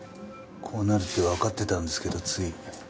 こうなるってわかってたんですけどつい。